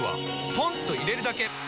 ポンと入れるだけ！